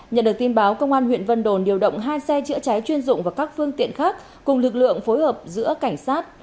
nhận được tin báo công an huyện vân đồn điều động hai xe chữa cháy chuyên dụng và các phương tiện khác cùng lực lượng phối hợp giữa cảnh sát